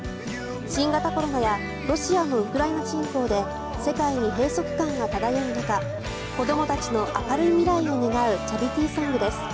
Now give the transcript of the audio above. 新型コロナやロシアのウクライナ侵攻で世界に閉塞感が漂う中子どもたちの明るい未来を願うチャリティーソングです。